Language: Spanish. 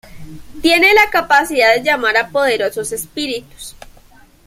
Tiene la capacidad de llamar a poderosos Espíritus.